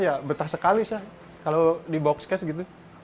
ya betah sekali sih kalau di boxcase gitu